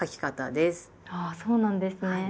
あそうなんですね。